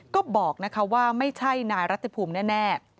ก็บอกว่าไม่ใช่นายรัฐภูมิแน่